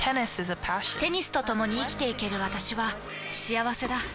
テニスとともに生きていける私は幸せだ。